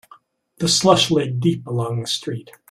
The slush lay deep along the street.